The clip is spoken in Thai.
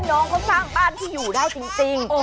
น้องเขาสร้างบ้านที่อยู่ได้จริง